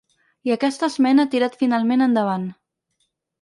I aquesta esmena ha tirat finalment endavant.